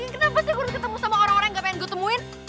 kenapa saya harus ketemu sama orang orang yang gak pengen gue temuin